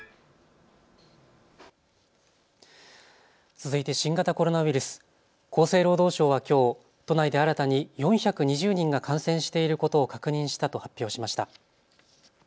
続いて新型コロナウイルス、厚生労働省はきょう都内で新たに４２０人が感染していることを確認したと発表しました。